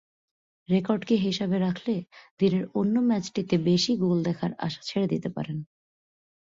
রেকর্ডকে হিসাবে রাখলে, দিনের অন্য ম্যাচটিতে বেশি গোল দেখার আশা ছেড়ে দিতে পারেন।